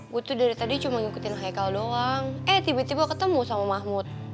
gue tuh dari tadi cuma ngikutin hikal doang eh tiba tiba ketemu sama mahmud